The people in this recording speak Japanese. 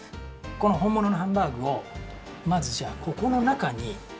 このほんもののハンバーグをまずじゃあここのなかに。